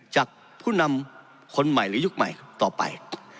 จากผู้นำคนใหม่หรือยุคใหม่ต่อไป